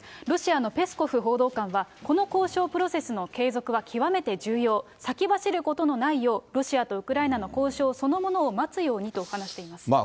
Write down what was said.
ロシアのペスコフ報道官は、この交渉プロセスの継続は極めて重要、先走ることのないよう、ロシアとウクライナの交渉そのものを待つようにと話しています。